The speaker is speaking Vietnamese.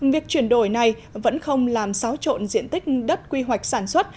việc chuyển đổi này vẫn không làm xáo trộn diện tích đất quy hoạch sản xuất